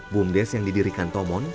bumdes yang didirikan tomon